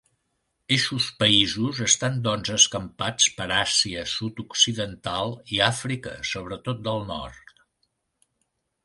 Eixos països estan doncs escampats per Àsia sud-occidental i Àfrica sobretot del nord.